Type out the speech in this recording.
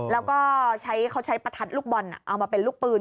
แล้วก็เขาใช้ประทัดลูกบอลเอามาเป็นลูกปืน